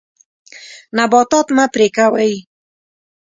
نباتات مه پرې کوئ.